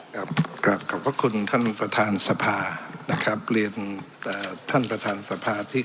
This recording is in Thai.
กลับขอบพระคุณท่านประธานสภานะครับเรียนท่านประธานสภาที่